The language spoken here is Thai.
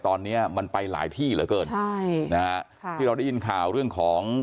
ตอนเนี้ยมันไปหลายที่เหลือเกินใช่นะฮะค่ะที่เราได้ยินข่าวเรื่องของ